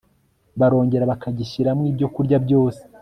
barongera bakagishyiramo ibyokurya byose